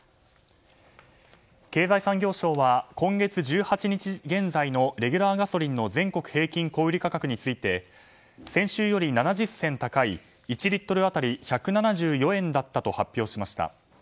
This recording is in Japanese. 経済産業省は今月１８日現在のレギュラーガソリンの全国平均小売価格について先週より７０銭高い１リットル当たり１７４円だったと発表しました。